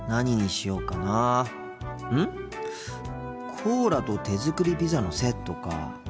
コーラと手作りピザのセットか。